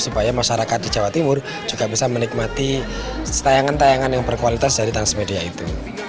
supaya masyarakat di jawa timur juga bisa menikmati tayangan tayangan yang berkualitas dari transmedia itu